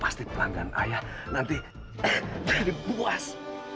pasti pelanggan ayah nanti jadi puas